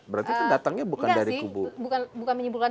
berarti datangnya bukan dari kubu iya sih bukan menyimpulkan